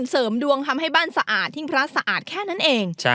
เสริมดวงทำให้บ้านสะอาดทิ้งพระสะอาดแค่นั้นเอง